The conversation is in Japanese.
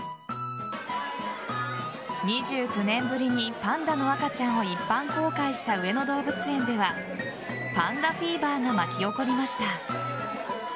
２９年ぶりにパンダの赤ちゃんを一般公開した上野動物園ではパンダフィーバーが巻き起こりました。